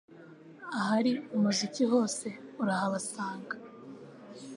Ahari umuziki hose urahabasanga